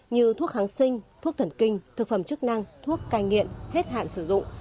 như thuốc kháng sinh thuốc thần kinh thực phẩm chức năng thuốc cai nghiện hết hạn sử dụng